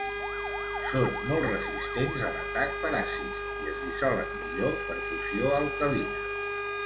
Són molt resistents a l'atac per àcids, i es dissolen millor per fusió alcalina.